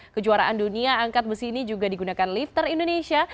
kejuaraan dunia angkat besi ini juga digunakan lifter indonesia